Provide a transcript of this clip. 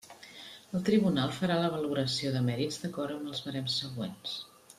El Tribunal farà la valoració de mèrits d'acord amb els barems següents.